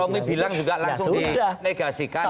kalau romi bilang juga langsung dinegasikan ya kan